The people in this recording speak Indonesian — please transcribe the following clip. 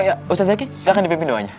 oh iya ustadz zaki silahkan dipimpin doanya